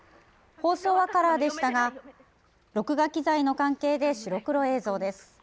放送はカラーでしたが録画機材の関係で白黒映像です。